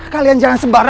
kalian jangan sembara